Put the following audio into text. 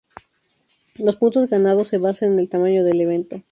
Los puntos ganados se basan en el tamaño del evento.